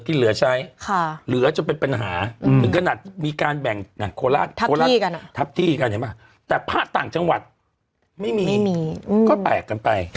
ที่เหลือใช้เหลือจะเป็นปัญหาถึงขนาดมีการแบ่งโคลาสทับที่กันเหมือนกันแต่ภาคต่างจังหวัดไม่มีก็แปลกกันไป